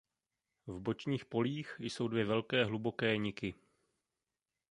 V bočních polích jsou dvě velké hluboké niky.